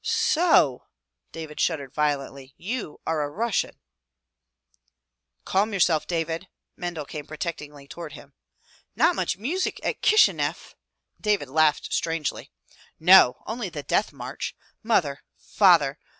"So," David shuddered violently. You are a Russian." "Calm yourself, David." Mendel came protectingly toward him. "Not much music at Kishineff!" David laughed strangely. "No! only the Death March. Mother! Father!